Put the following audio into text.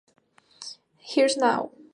Here's How!